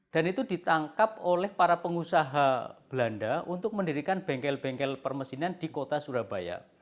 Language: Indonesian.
dan itu ditangkap oleh para pengusaha belanda untuk mendirikan bengkel bengkel permesinan di kota surabaya